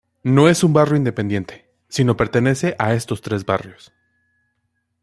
No es un barrio independiente, sino pertenece a estos tres barrios.